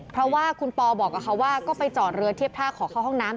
เพราะว่าคุณปอบอกกับเขาว่าก็ไปจอดเรือเทียบท่าขอเข้าห้องน้ำ